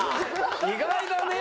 意外だね。